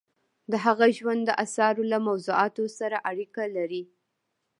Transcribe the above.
د هغه ژوند د اثارو له موضوعاتو سره اړیکه لري.